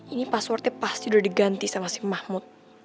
ini passwordnya pasti udah diganti sama si mahmud